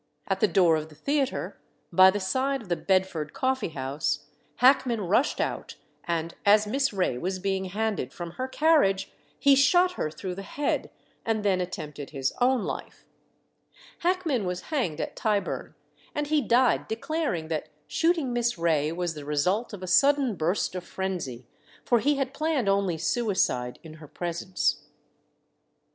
At the door of the theatre, by the side of the Bedford Coffee house, Hackman rushed out, and as Miss Ray was being handed from her carriage he shot her through the head, and then attempted his own life. Hackman was hanged at Tyburn, and he died declaring that shooting Miss Ray was the result of a sudden burst of frenzy, for he had planned only suicide in her presence.